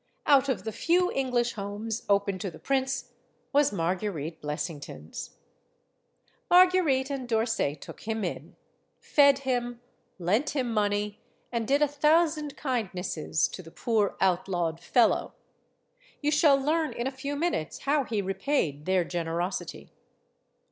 Out of the few English homes open to the prince was Marguerite Blessington's. Marguerite and D'Orsay took him in, fed him, lent him money, and did a thousand kindnesses to the poor, outlawed fellow. You shall learn in a few minutes how he repaid their generosity.